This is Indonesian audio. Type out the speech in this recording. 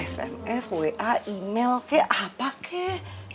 sms wa email kek apa kek